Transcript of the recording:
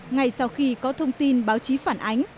ngay sau khi có thông tin báo chí phản ánh